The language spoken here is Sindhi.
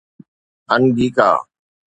انگيڪا